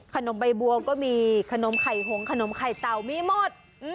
ขนมใบบัวก็มีขนมไข่หงขนมไข่เต่ามีหมด